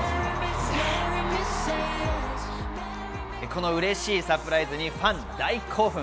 このうれしいサプライズにファン大興奮。